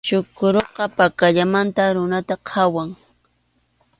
Chukuruqa pakallamanta runata qhawan.